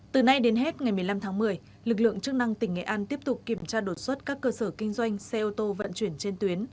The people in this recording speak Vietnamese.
từ nay đến hết ngày một mươi năm tháng một mươi lực lượng chức năng tỉnh nghệ an tiếp tục kiểm tra đột xuất các cơ sở kinh doanh xe ô tô vận chuyển trên tuyến